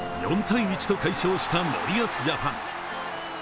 ４−１と快勝した森保ジャパン。